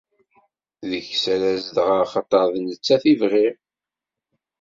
Deg-s ara zedɣeɣ axaṭer d nettat i bɣiɣ.